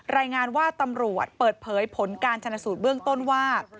รายงานว่าตำรวจเปิดเผยผลการชนสูตรเบื้องต้นว่า